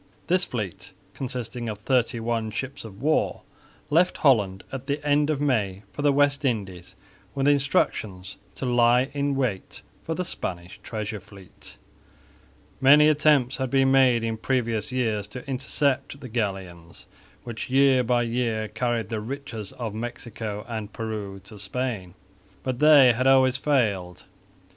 This fleet, consisting of thirty one ships of war, left Holland at the end of May for the West Indies with instructions to lie in wait for the Spanish Treasure Fleet. Many attempts had been made in previous years to intercept the galleons, which year by year carried the riches of Mexico and Peru to Spain, but they had always failed.